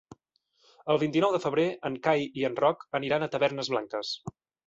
El vint-i-nou de febrer en Cai i en Roc aniran a Tavernes Blanques.